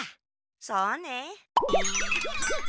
そうね。